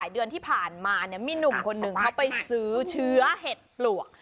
เดือนที่ผ่านมามีหนุ่มคนหนึ่งเขาไปซื้อเชื้อเห็ดปลวก